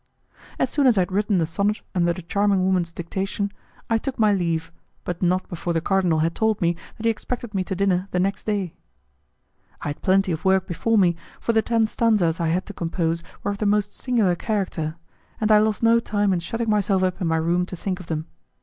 As soon as I had written the sonnet under the charming woman's dictation, I took my leave, but not before the cardinal had told me that he expected me to dinner the next day. I had plenty of work before me, for the ten stanzas I had to compose were of the most singular character, and I lost no time in shutting myself up in my room to think of them.